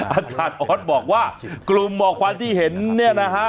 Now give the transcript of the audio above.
อาจารย์ออสบอกว่ากลุ่มหมอกควันที่เห็นเนี่ยนะฮะ